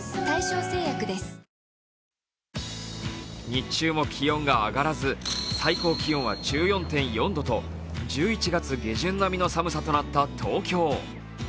日中も気温が上がらず、最高気温は１４．４度と１１月下旬並みとなった東京。